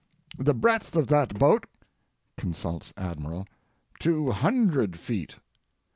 The breadth of that boat [consults Admiral], two hundred feet.